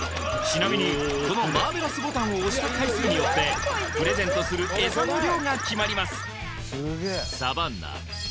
ちなみにこのマーベラスボタンを押した回数によってプレゼントするエサの量が決まります